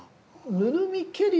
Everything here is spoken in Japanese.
「ぬるみけり」